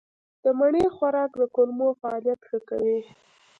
د مڼې خوراک د کولمو فعالیت ښه کوي.